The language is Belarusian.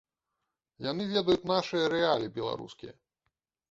Яны ведаюць нашыя рэаліі беларускія.